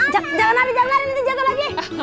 jangan nanti jangan lari nanti jatuh lagi